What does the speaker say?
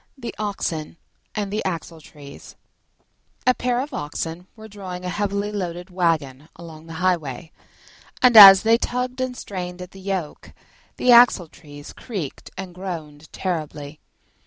THE OXEN AND THE AXLETREES A pair of Oxen were drawing a heavily loaded waggon along the highway, and, as they tugged and strained at the yoke, the Axletrees creaked and groaned terribly.